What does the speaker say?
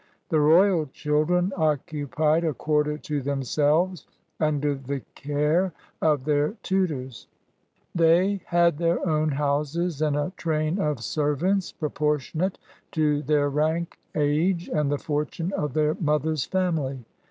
The "royal children" occu pied a quarter to themselves, under the care of their tu tors; they had their own houses and a train of servants proportionate to their rank, age, and the fortime of their mother's family.